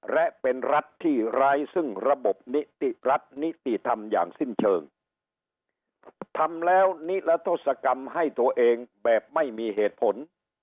และเป็นรัฐที่ร้ายซึ่งระบบนิติรัฐนิติธรรมอย่างสิ้นเชิงทำแล้วนิรัทธศกรรมให้ตัวเองแบบไม่มีเหตุผล